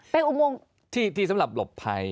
เป็นอุโมงที่สำหรับหลบภัย